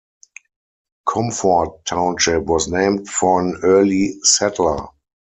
Comfort Township was named for an early settler.